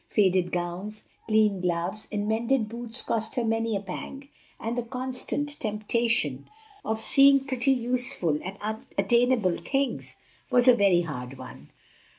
Faded gowns, cleaned gloves, and mended boots cost her many a pang, and the constant temptation of seeing pretty, useful, and unattainable things was a very hard one.